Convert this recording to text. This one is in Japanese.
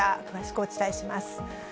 詳しくお伝えします。